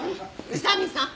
宇佐見さん！